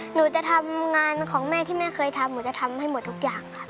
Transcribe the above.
หนูจะทำงานของแม่ที่แม่เคยทำหนูจะทำให้หมดทุกอย่างค่ะ